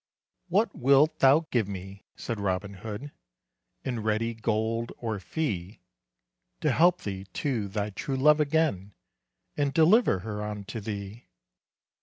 "What wilt thou give me," said Robin Hood, "In ready gold or fee, To help thee to thy true love again, And deliver her unto thee?"